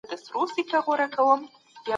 څوک د اختراعاتو ثبتول ترسره کوي؟